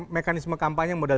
mekanisme kampanye modal